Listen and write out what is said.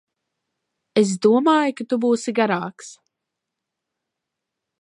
Es domāju, ka tu būsi garāks.